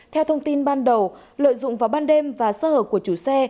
theo thông tin ban đầu lợi dụng vào ban đêm và sơ hở của chủ xe